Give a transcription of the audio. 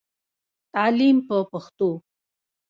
تعليم په پښتو.